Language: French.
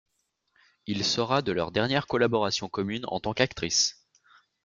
Il sera de leur dernière collaboration commune en tant qu'actrices.